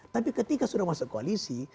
tapi ketika sudah masuk koalisi